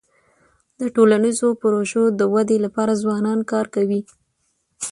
د ټولنیزو پروژو د ودی لپاره ځوانان کار کوي.